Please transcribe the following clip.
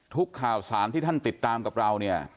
ทุกข่าวสารที่ท่านติดตามกับเราเนี่ย